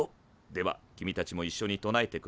では君たちもいっしょに唱えてくれ。